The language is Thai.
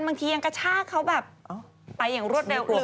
บางทียังกระชากเขาแบบไปอย่างรวดเร็วเลย